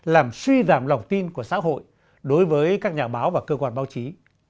làm suy giảm lòng tin của xã hội đối với các nhà báo và cơ quan báo chí